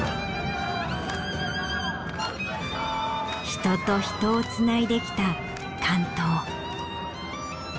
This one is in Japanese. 人と人をつないできた竿燈。